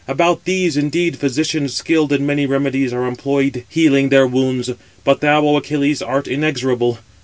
About these, indeed, physicians skilled in many remedies are employed healing their wounds: but thou, O Achilles, art inexorable.